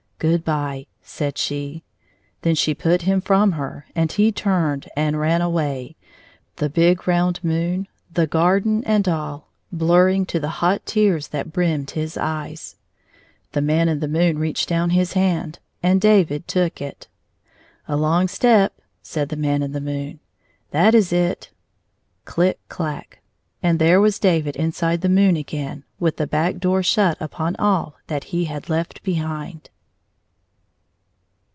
" Good by," said she. Then she put him from her, and he turned and ran away, the big, lOI round moon, the garden and all blurring to the hot tears that brimmed his eyes. The Man in the moon reached down his hand, and David took it "A long stpp," said the Man in the moon. That is it." Chck clack! And there was David inside the moon again, with the back door shut upon all that he had left behind.